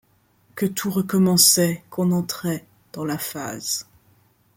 Que tout recommençait, qu'on entrait. dans la phase